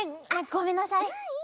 ごめんなさい。